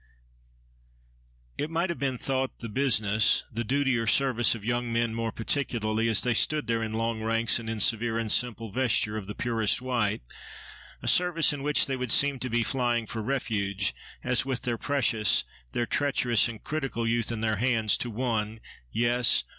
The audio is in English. — It might have been thought the business, the duty or service of young men more particularly, as they stood there in long ranks, and in severe and simple vesture of the purest white—a service in which they would seem to be flying for refuge, as with their precious, their treacherous and critical youth in their hands, to one—Yes!